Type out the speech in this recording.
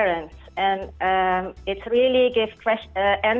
dan itu sangat memberikan pertanyaan